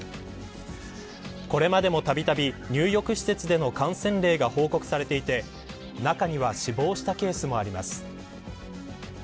これまでもたびたび入浴施設での感染例が報告されていて中には死亡したケースもあります。